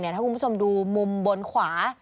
ถ้าคุณผู้ชมดูมุมบนขวา